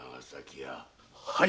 はい。